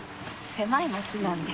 狭い町なんで。